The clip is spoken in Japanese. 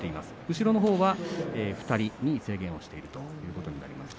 後ろのほうは２人に制限しているということになります。